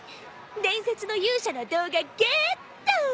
伝説の勇者の動画ゲーット！